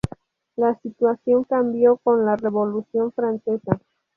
La situación cambió con la Revolución francesa.